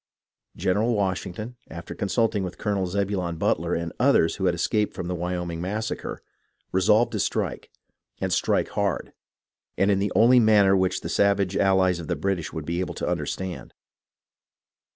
General Washington, after consulting with Colonel Zebulon Butler and others who had escaped from the Wyo ming massacre, resolved to strike, and strike hard, and in the only manner which the savage aUies of the British would be able to understand.